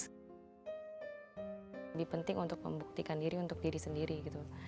lebih penting untuk membuktikan diri untuk diri sendiri gitu